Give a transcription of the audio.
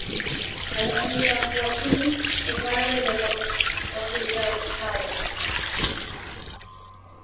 At the age of fourteen, he graduated from Muskingum College.